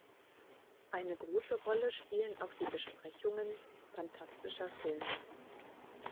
Eine große Rolle spielen auch die Besprechungen phantastischer Filme.